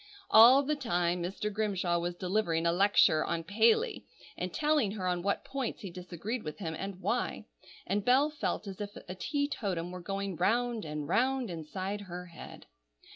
All the time Mr. Grimshaw was delivering a lecture on Paley, and telling her on what points he disagreed with him, and why; and Bell felt as if a teetotum were going round and round inside her head.